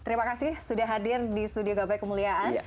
terima kasih sudah hadir di studio gapai kemuliaan